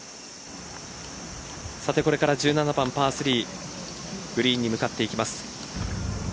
これから１７番パー３グリーンに向かっていきます。